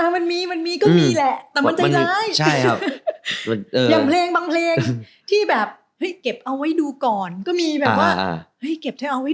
มันมีมันมีก็มีแหละแต่มันใจร้าย